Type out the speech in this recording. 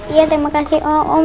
iya terima kasih om